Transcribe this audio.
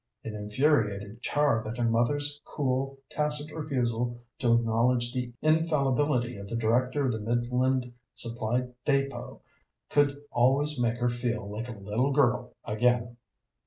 It infuriated Char that her mother's cool, tacit refusal to acknowledge the infallibility of the Director of the Midland Supply Depôt could always make her feel like a little girl again.